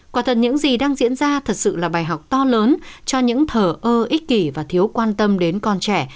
quả thật những gì đang diễn ra thật sự là bài học to lớn cho những thở ơ ích kỷ và thiếu quan tâm đến con trẻ